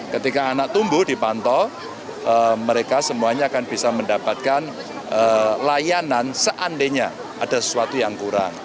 ketika anak tumbuh dipantau mereka semuanya akan bisa mendapatkan layanan seandainya ada sesuatu yang kurang